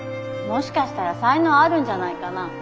もしかしたら才能あるんじゃないかな？